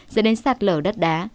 dẫn đến sạt lở đất đá